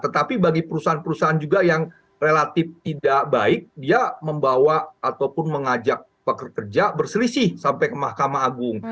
tetapi bagi perusahaan perusahaan juga yang relatif tidak baik dia membawa ataupun mengajak pekerja berselisih sampai ke mahkamah agung